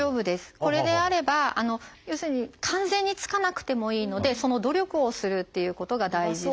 これであれば要するに完全につかなくてもいいのでその努力をするっていうことが大事で。